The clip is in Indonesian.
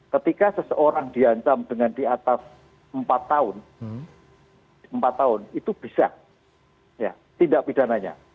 ketika seseorang diancam dengan di atas empat tahun empat tahun itu bisa tindak pidananya